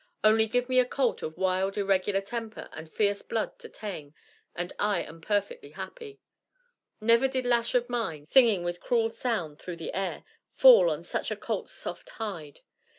Only give me a colt of wild, irregular temper and fierce blood to tame, and I am perfectly happy. Never did lash of mine, singing with cruel sound through the air, fall on such a colt's soft hide.